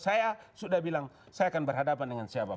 saya sudah bilang saya akan berhadapan dengan siapa pun